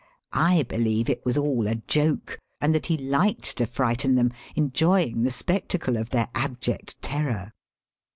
I believe it was all a joke, and that he liked to frighten them, enjoying the spectacle of their abject terror.